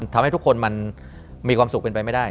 ทำให้ทุกคนมันมีความสุขเป็นไปไม่ได้